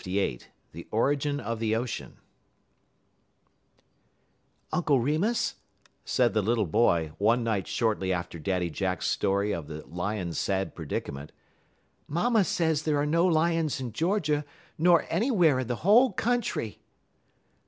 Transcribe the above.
LVIII THE ORIGIN OF THE OCEAN "Uncle Remus," said the little boy, one night shortly after Daddy Jack's story of the lion's sad predicament, "mamma says there are no lions in Georgia, nor anywhere in the whole country."